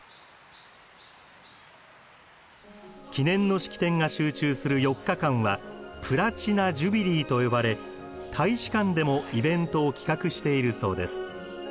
記念の式典が集中する４日間は「プラチナ・ジュビリー」と呼ばれ大使館でもイベントを企画しているそうです。